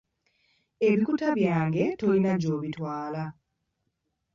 Ebikuta byange tolina gy'obitwala.